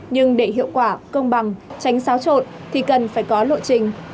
nhưng để hiệu quả công bằng tránh xáo trộn thì cần phải có lộ trình